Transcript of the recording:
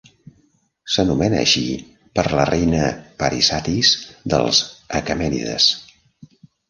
S'anomena així per la reina Parisatis dels aquemènides.